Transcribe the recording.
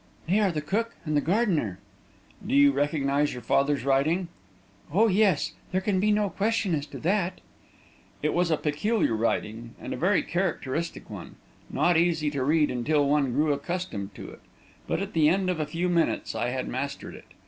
"They are the cook and the gardener." "Do you recognise your father's writing?" "Oh, yes; there can be no question as to that." It was a peculiar writing, and a very characteristic one; not easy to read until one grew accustomed to it. But at the end of a few minutes I had mastered it.